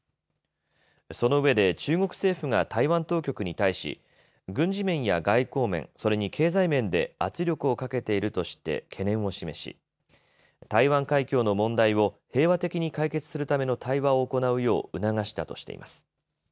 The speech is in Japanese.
そのうえで中国政府が台湾当局に対し軍事面や外交面、それに経済面で圧力をかけているとして懸念を示し台湾海峡の問題を平和的に解決するための対話を行うよう促したとしています。